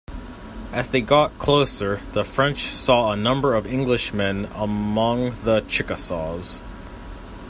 As they got closer the French saw a number of Englishmen among the Chickasaws.